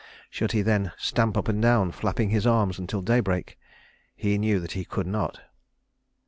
Should he then stamp up and down, flapping his arms until daybreak? He knew that he could not.